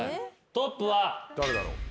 トップは。